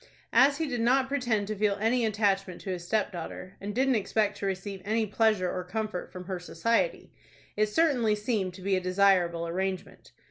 As he did not pretend to feel any attachment to his stepdaughter, and didn't expect to receive any pleasure or comfort from her society, it certainly seemed to be a desirable arrangement.